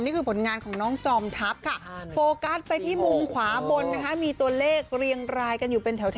ผลงานของน้องจอมทัพค่ะโฟกัสไปที่มุมขวาบนนะคะมีตัวเลขเรียงรายกันอยู่เป็นแถว